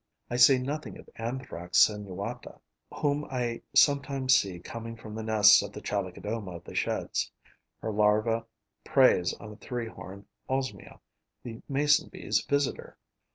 I say nothing of Anthrax sinuata, whom I sometimes see coming from the nests of the Chalicodoma of the Sheds; her larva preys on the Three horned Osmia, the Mason bee's visitor.